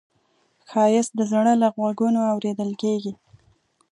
ښایست د زړه له غوږونو اورېدل کېږي